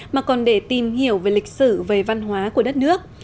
mà còn để tìm hiểu về lịch sử về văn hóa của đất nước